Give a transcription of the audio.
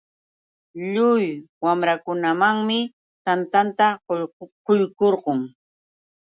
Lliw warmakunamanmi tantata quykurqun.